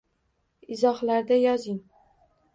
Izohlarda yozing